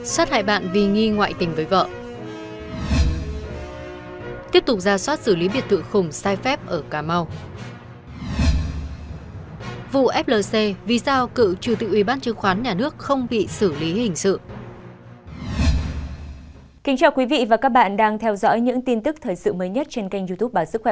các bạn hãy đăng ký kênh để ủng hộ kênh của chúng mình nhé